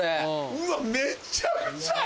うわめちゃくちゃいい！